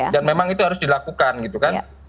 dan memang itu harus dilakukan gitu kan